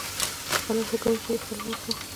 خلک فکر کوي چې زه خلک نه خوښوم